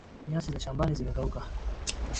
Nyasi za shambani zimekauka